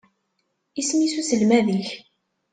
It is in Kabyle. Isem-is uselmad-ik?